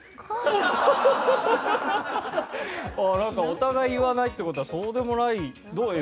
お互い言わないって事はそうでもない？